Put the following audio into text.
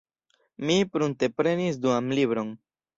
Mi prunteprenis duan libron.